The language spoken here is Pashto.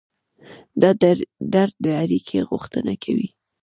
دا درد د اړیکې غوښتنه کوي.